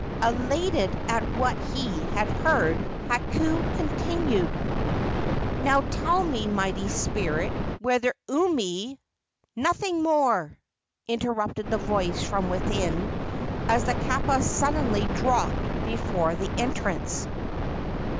Elated at what he had heard, Hakau continued: "Now tell me, mighty spirit, whether Umi " "Nothing more!" interrupted the voice from within, as the kapa suddenly dropped before the entrance.